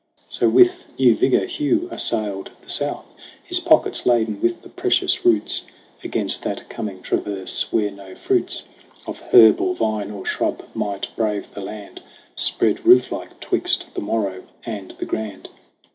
So with new vigor Hugh assailed the South, His pockets laden with the precious roots Against that coming traverse, where no fruits Of herb or vine or shrub might brave the land Spread rooflike 'twixt the Moreau and the Grand.